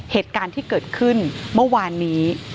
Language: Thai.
เหตุการณ์ที่เกิดขึ้นเมื่อวานนี้